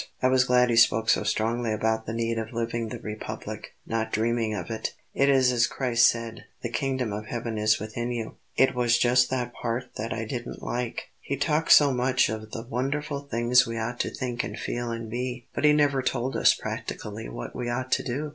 I was glad he spoke so strongly about the need of living the Republic, not dreaming of it. It is as Christ said: 'The Kingdom of Heaven is within you.'" "It was just that part that I didn't like. He talked so much of the wonderful things we ought to think and feel and be, but he never told us practically what we ought to do."